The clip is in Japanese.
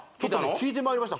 聞いてまいりました